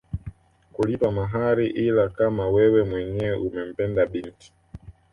Kulipa mahari ila kama wewe mwenyewe umempenda binti